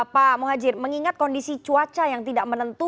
pak muhajir mengingat kondisi cuaca yang tidak menentu